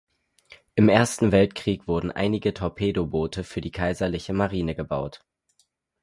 Im Ersten Weltkrieg wurden einige Torpedoboote für die Kaiserliche Marine gebaut.